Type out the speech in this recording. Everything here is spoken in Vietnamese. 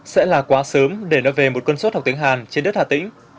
sẽ là quá sớm để nói về một cân suất học tiếng hàn trên đất hà tĩnh